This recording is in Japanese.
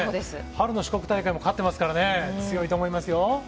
春の四国大会も勝ってますから、強いと思いますよ。